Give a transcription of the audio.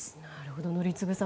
宜嗣さん